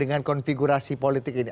dengan konfigurasi politik ini